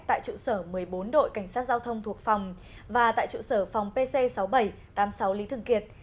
tại trụ sở một mươi bốn đội cảnh sát giao thông thuộc phòng và tại trụ sở phòng pc sáu nghìn bảy trăm tám mươi sáu lý thường kiệt